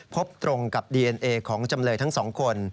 พบตรงกับดีเอ็นเอของจำเลยทั้งสองคน